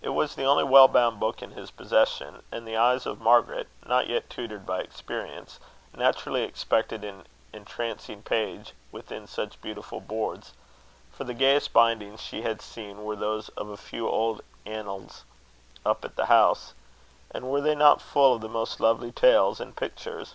It was the only well bound book in his possession; and the eyes of Margaret, not yet tutored by experience, naturally expected an entrancing page within such beautiful boards; for the gayest bindings she had seen, were those of a few old annuals up at the house and were they not full of the most lovely tales and pictures?